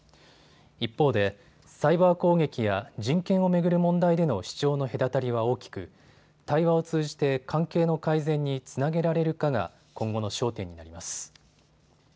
一方でサイバー攻撃や人権を巡る問題での主張の隔たりは大きく対話を通じて関係の改善につなげられるかが今後の焦点になります。